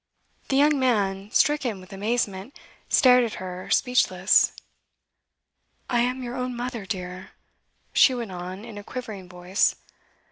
The young man, stricken with amazement, stared at her, speechless. 'I am your own mother, dear,' she went on, in a quivering voice.